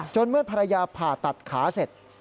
เมื่อภรรยาผ่าตัดขาเสร็จ